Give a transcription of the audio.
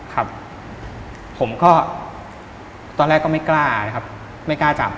ครับผมก็ตอนแรกก็ไม่กล้านะครับไม่กล้าจับ